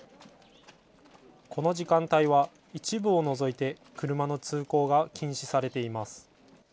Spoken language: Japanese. この時間帯は一部を除いて車の通行が禁止されています。